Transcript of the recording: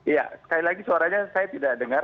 iya sekali lagi suaranya saya tidak dengar